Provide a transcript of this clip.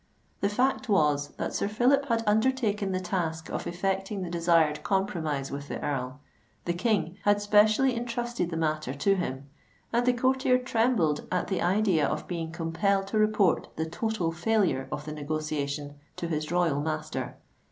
The fact was that Sir Phillip had undertaken the task of effecting the desired compromise with the Earl: the King had specially entrusted the matter to him;—and the courtier trembled at the idea of being compelled to report the total failure of the negotiation to his royal master.